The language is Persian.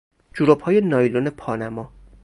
جورابهای نایلون پانما